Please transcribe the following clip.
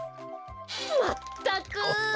まったく！